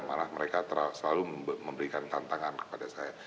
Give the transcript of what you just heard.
malah mereka selalu memberikan tantangan kepada saya